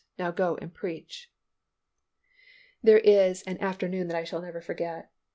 Now go and preach." There is an afternoon that I shall never forget.